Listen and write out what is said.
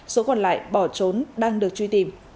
số còn lại bỏ trốn đang được truy tìm